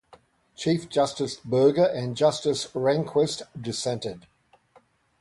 Chief Justice Burger and Justice Rehnquist dissented.